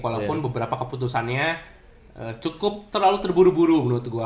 walaupun beberapa keputusannya cukup terlalu terburu buru menurut gue